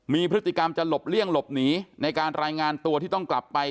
มีพฤติกรรมจะหลบเลี่ยงหลบหนีในการรายงานตัวที่ต้องกลับไป